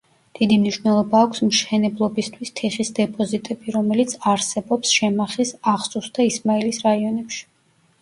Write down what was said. დიდი მნიშვნელობა აქვს მშენებლობისთვის თიხის დეპოზიტები, რომელიც არსებობს შემახის, აღსუს და ისმაილის რაიონებში.